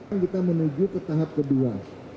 sekarang kita menuju ke tahap kedua